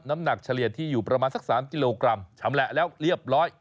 น้ำหนักเฉลี่ยที่อยู่ประมาณสัก๓กิโลกรัมชำแหละแล้วเรียบร้อย